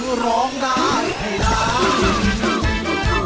คือร้องได้ให้ร้าน